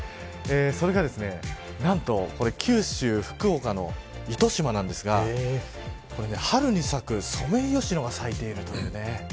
それがですね、九州福岡の糸島なんですが春に咲くソメイヨシノが咲いているという。